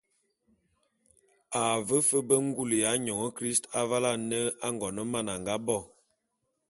A ve fe be ngule ya nyôn christ avale ane Angoneman a nga bo.